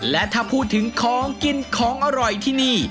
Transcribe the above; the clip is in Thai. และถ้าพูดถึงของกินของอร่อยที่นี่